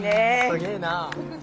すげえな。